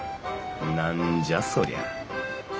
何じゃそりゃ。